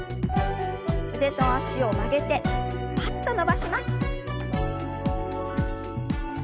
腕と脚を曲げてパッと伸ばします。